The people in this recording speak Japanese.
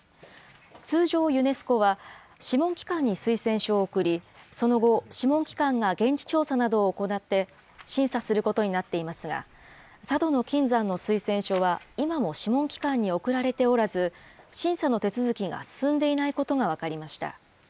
通常、ユネスコは諮問機関に推薦書を送り、その後、諮問機関が現地調査などを行って審査することになっていますが、佐渡島の金山の推薦書は、今も諮問機関に送られておらず、審査の手続きが進んでいないことが分かりました。